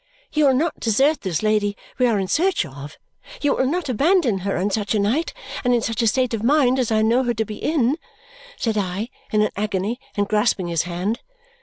"You will not desert this lady we are in search of; you will not abandon her on such a night and in such a state of mind as I know her to be in!" said I, in an agony, and grasping his hand.